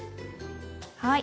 はい。